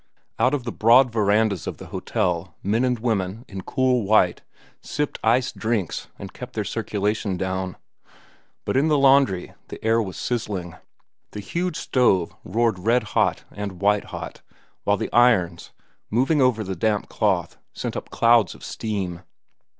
Out on the broad verandas of the hotel, men and women, in cool white, sipped iced drinks and kept their circulation down. But in the laundry the air was sizzling. The huge stove roared red hot and white hot, while the irons, moving over the damp cloth, sent up clouds of steam.